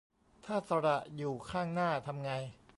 ถ้าสระอยู่ข้างหน้า ทำไง